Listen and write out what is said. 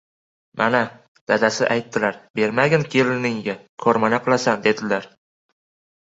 — Mana! Dadasi aytdilar. «Bermagin, keliningga ko‘rmana qilasan», — dedilar.